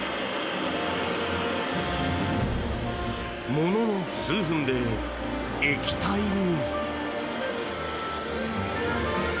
ものの数分で液体に。